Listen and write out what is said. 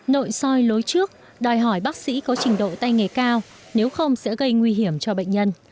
nội soi lối trước đòi hỏi bác sĩ có trình độ tay nghề cao nếu không sẽ gây nguy hiểm cho bệnh nhân